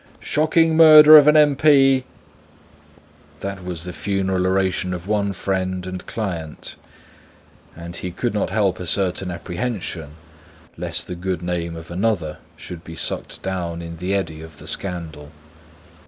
Shocking murder of an M.P." That was the funeral oration of one friend and client; and he could not help a certain apprehension lest the good name of another should be sucked down in the eddy of the scandal.